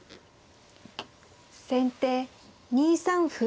先手２三歩。